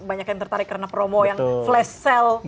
banyak yang tertarik karena promo yang flash sale